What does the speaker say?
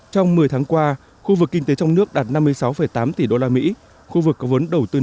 trong một mươi tháng qua khu vực kinh tế trong nước đạt năm mươi sáu tám tỷ đô la mỹ khu vực có vốn đầu tư